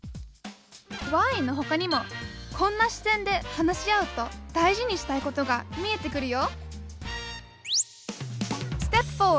ＷＨＹのほかにもこんな視点で話し合うと大事にしたいことが見えてくるよ